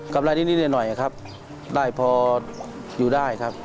รายนิดหน่อยครับได้พออยู่ได้ครับ